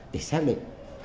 để xác định